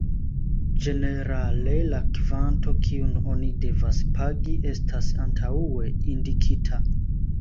Ĝenerale la kvanto, kiun oni devas pagi estas antaŭe indikita.